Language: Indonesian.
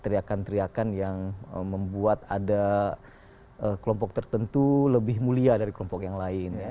teriakan teriakan yang membuat ada kelompok tertentu lebih mulia dari kelompok yang lain